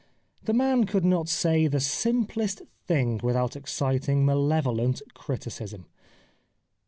The man could not say the simplest thing without exciting malevolent criticism.